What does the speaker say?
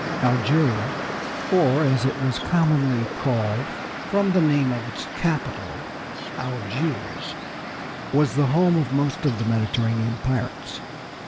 Algeria, or, as it was commonly called from the name of its capital, Algiers, was the home of most of the Mediterranean pirates.